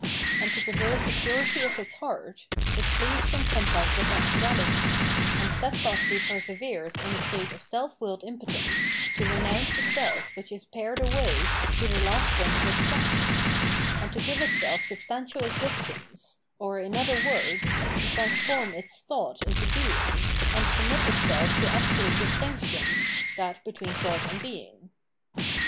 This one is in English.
And to preserve the purity of its heart, it flees from contact with actuahty, and steadfastly per severes in a state of self willed impotence to renounce a self which is pared away to the last point of abstraction, and to give itself substantial existence, or, in other words, to transform its thought into being, and commit itself to absolute distinction [that between thought and being].